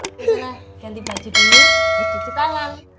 karena ganti baju dulu cuci tangan